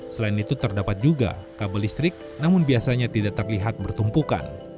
selain itu terdapat juga kabel listrik namun biasanya tidak terlihat bertumpukan